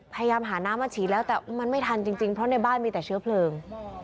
พยายามหาน้ำมาฉีดแล้วแต่มันไม่ทันจริงเพราะในบ้านมีแต่เชื้อเพลิง